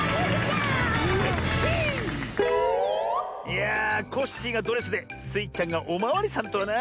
いやコッシーがドレスでスイちゃんがおまわりさんとはな。